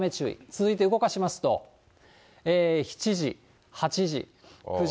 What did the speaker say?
続いて動かしますと、７時、８時、９時。